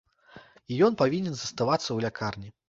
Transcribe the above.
І ён павінен заставацца ў лякарні.